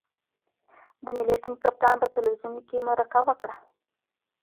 د ملي ټیم کپتان په تلویزیون کې مرکه وکړه.